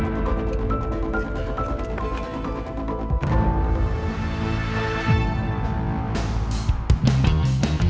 masuk kuliah dulu